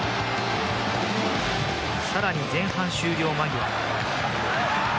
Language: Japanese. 更に前半終了間際。